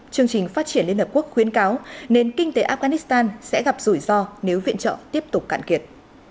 chương trình phát triển liên hợp quốc khuyến cáo nền kinh tế afghanistan sẽ gặp rủi ro nếu viện trợ tiếp tục cạn kiệt